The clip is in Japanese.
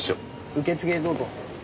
受付へどうぞ。